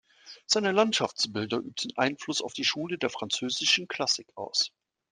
Seine Landschaftsbilder übten Einfluss auf die Schule der Französischen Klassik aus.